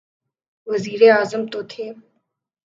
وزیراعظم تو تھے۔